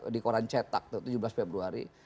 di koran cetak tuh tujuh belas februari